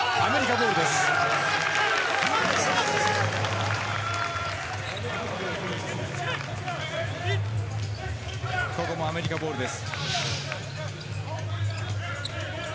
ボールはアメリカボールです。